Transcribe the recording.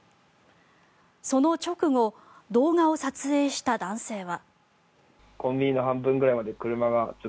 その直後動画を撮影した男性は。